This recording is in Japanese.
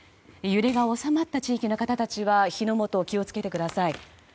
揺れが収まった地域の方たちは火の元を気を付けてください。